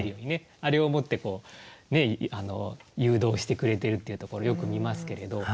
あれを持って誘導してくれてるっていうところよく見ますけれど。